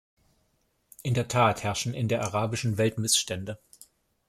In der Tat herrschen in der arabischen Welt Missstände.